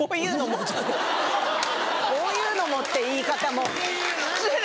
「こういうのも」って言い方も失礼。